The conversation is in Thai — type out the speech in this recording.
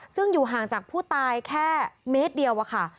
ซึ่งอยู่ห่างจากผู้ตายแค่เมตรเดียวอะค่ะ